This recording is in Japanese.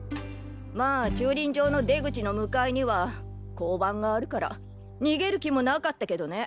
まあ駐輪場の出口の向かいには交番があるから逃げる気もなかったけどね。